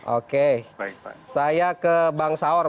oke saya ke bang saur